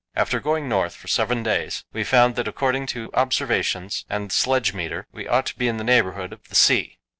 After going north for seven days, we found that according to observations and sledge meter we ought to be in the neighbourhood of the sea.